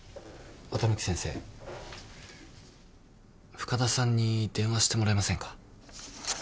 深田さんに電話してもらえませんか？